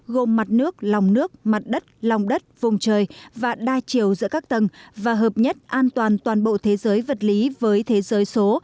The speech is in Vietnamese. gồm mặt nước lòng nước mặt đất lòng đất vùng trời và đa chiều giữa các tầng và hợp nhất an toàn toàn bộ thế giới vật lý với thế giới số